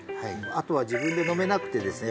あとは自分で飲めなくてですね